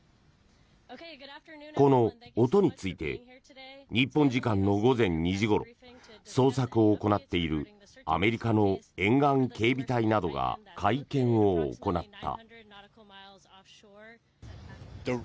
この音について日本時間の午前２時ごろ捜索を行っているアメリカの沿岸警備隊などが会見を行った。